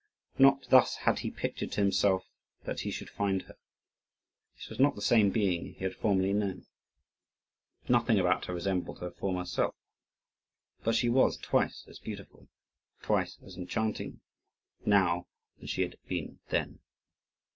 Not thus had he pictured to himself that he should find her. This was not the same being he had formerly known; nothing about her resembled her former self; but she was twice as beautiful, twice as enchanting, now than she had been then.